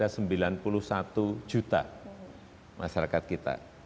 ini diberikan kepada sembilan puluh satu juta masyarakat kita